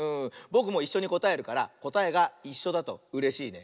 ぼくもいっしょにこたえるからこたえがいっしょだとうれしいね。